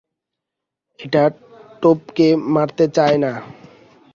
এটা টোপকে মারতে চায় না।